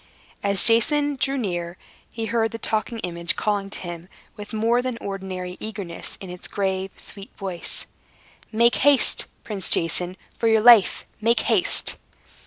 As Jason drew near, he heard the Talking Image calling to him with more than ordinary eagerness, in its grave, sweet voice: "Make haste, Prince Jason! For your life, make haste!"